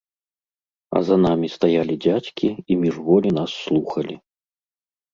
А за намі стаялі дзядзькі і міжволі нас слухалі.